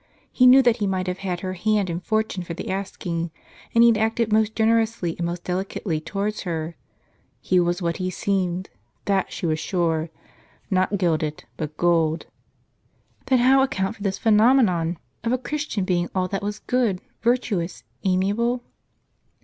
He knew that he might have had her hand and fortune for the asking, and he had acted most generously and most delicately towards her. He was what he seemed, that she was sure — not gilded, but gold. Then how account for this phenomenon, of a Christian being all that was good, virtuous, amiable